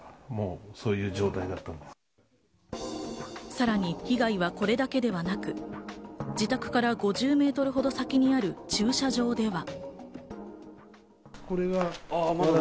さらに被害はこれだけではなく、自宅から５０メートルほど先にある駐車場では。